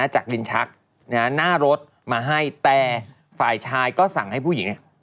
จากลิ้นชักหน้ารถมาให้แต่ฝ่ายชายก็สั่งให้ผู้หญิงเนี่ย